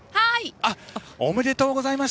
ありがとうございます。